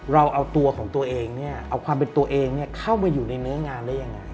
เราเอาตัวของตัวเองเนี่ยเอาความเป็นตัวเองเข้ามาอยู่ในเนื้องานได้ยังไง